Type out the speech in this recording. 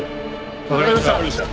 わかりました。